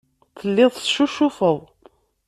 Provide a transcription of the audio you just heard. Telliḍ teccucufeḍ.